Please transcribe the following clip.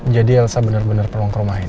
jadi elsa bener bener perlengkaraan ini